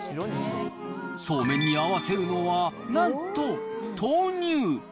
そうめんに合わせるのは、なんと豆乳。